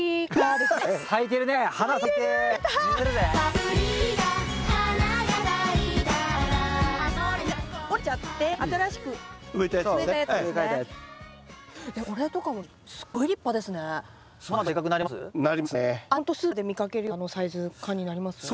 でもこれとかもすっごい立派ですね。